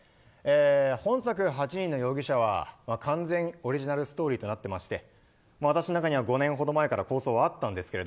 本作、８人の容疑者は完全オリジナルストーリーとなっていまして私の中には５年ほど前から構想はあったんですが